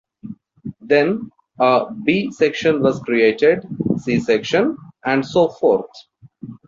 Then a "B" section was created, "C" section, and so forth.